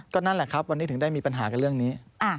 นั่นแหละครับวันนี้ถึงได้มีปัญหากับเรื่องนี้